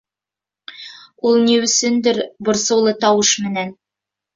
Ул ни өсөндөр борсоулы тауыш менән: